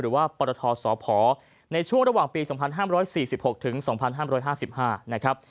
หรือว่าปรทสพในช่วงระหว่างปี๒๕๔๖ถึง๒๕๕๕นะครับ